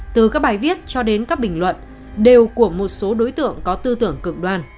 từ các bài viết cho đến các bình luận đều của một số đối tượng có tư tưởng cực đoan